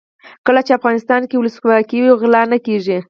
کله چې افغانستان کې ولسواکي وي غلا نه کیږي.